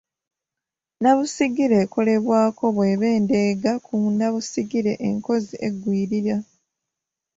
nnabusigire ekolebwako bw’eba endeega ku nnabusigire enkozi egwiririra